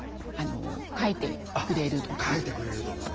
書いてくれるとかね。